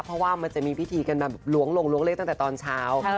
เพราะว่ามันจะมีพิธีกันแบบล้วงลงล้วงเลขตั้งแต่ตอนเช้า